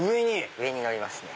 上にのりますね。